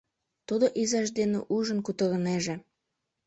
Тудо изаж дене ужын кутырынеже.